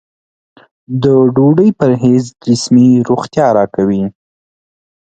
د ډوډۍ پرهېز جسمي روغتیا راکوي.